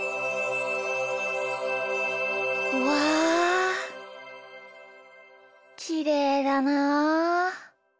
うわきれいだな。